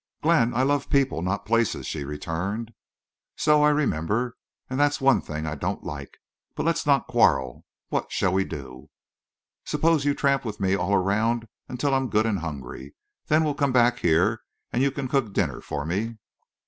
"Glenn, I love people, not places," she returned. "So I remember. And that's one thing I don't like. But let's not quarrel. What'll we do?" "Suppose you tramp with me all around, until I'm good and hungry. Then we'll come back here—and you can cook dinner for me."